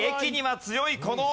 強い！